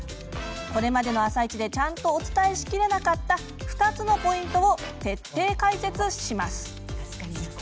これまでの「あさイチ」でちゃんとお伝えしきれなかった２つのポイントを徹底解説します。